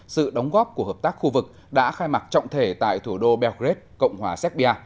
sự đóng góp của hợp tác khu vực đã khai mạc trọng thể tại thủ đô belgret cộng hòa serbia